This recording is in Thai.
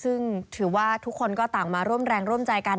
ซึ่งถือว่าทุกคนก็ต่างมาร่วมแรงร่วมใจกัน